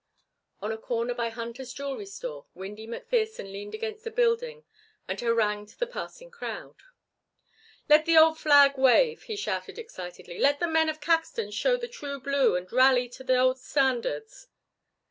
On a corner by Hunter's jewelry store Windy McPherson leaned against a building and harangued the passing crowd. "Let the old flag wave," he shouted excitedly, "let the men of Caxton show the true blue and rally to the old standards."